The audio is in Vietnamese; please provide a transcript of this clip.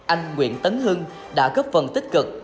anh nguyễn tấn hưng đã góp phần tích cực